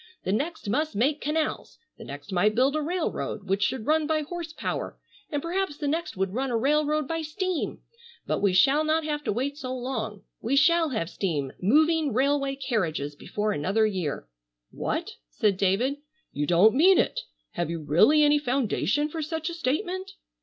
The next must make canals, the next might build a railroad which should run by horse power, and perhaps the next would run a railroad by steam. But we shall not have to wait so long. We shall have steam moving railway carriages before another year." "What!" said David, "you don't mean it! Have you really any foundation for such a statement?"